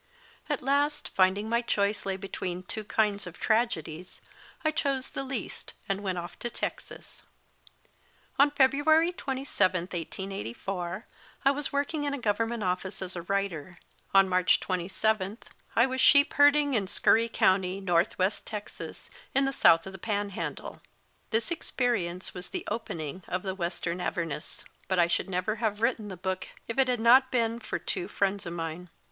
At last, finding my choice lay between two kinds of tragedies, I chose the least, and went off to Texas. On February 27, 1884, I was working in a Government office as a writer ; on March 27, I was sheep herding in Scurry County, North west Texas, in the south of the Panhandle. This experience was the opening of The Western Avernus. But I should never have written the book if it had not been for two friends of mine.